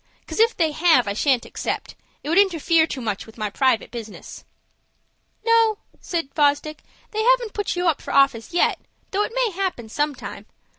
'Cause if they have, I shan't accept. It would interfere too much with my private business." "No," said Fosdick, "they haven't put you up for office yet, though that may happen sometime.